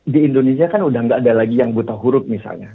di indonesia kan udah nggak ada lagi yang buta huruf misalnya